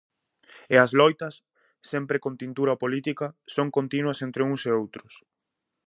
E as loitas, sempre con tintura política, son continuas entre uns e outros.